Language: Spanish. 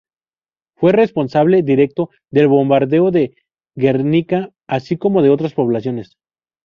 Fue responsable directo del bombardeo de Guernica, así como de otras poblaciones.